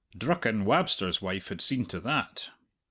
Drucken Wabster's wife had seen to that.